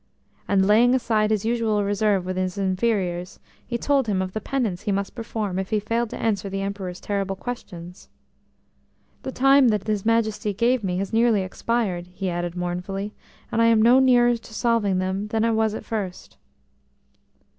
And laying aside his usual reserve with his inferiors, he told him of the penance he must perform if he failed to answer the Emperor's terrible questions. "The time that his Majesty gave me has nearly expired," he added mournfully, "and I am no nearer to solving them than I was at first."